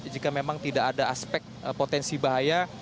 jika memang tidak ada aspek potensi bahaya